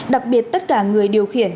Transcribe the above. đặc biệt tất cả người điều khiển